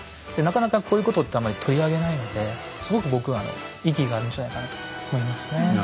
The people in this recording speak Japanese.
でなかなかこういうことってあんまり取り上げないのですごく僕は意義があるんじゃないかなと思いますね。